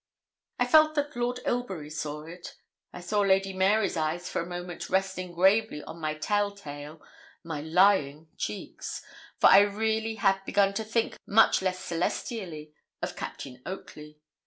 I felt that Lord Ilbury saw it. I saw Lady Mary's eyes for a moment resting gravely on my tell tale my lying cheeks for I really had begun to think much less celestially of Captain Oakley.